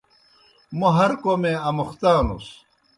موْ ہر کوْمے آمُختانُس۔